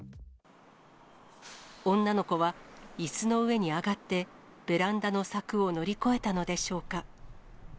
女の子はいすの上に上がって、ベランダの柵を乗り越えたのでしょうか。